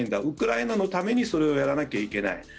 ウクライナのためにそれをやらなきゃいけない。